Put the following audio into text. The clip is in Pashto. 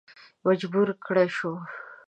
مجبور کړه شو.